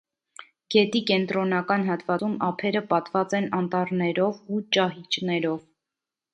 Գետի կենտրոնական հատվածում ափերը պատված են անտառներով ու ճահիճներով։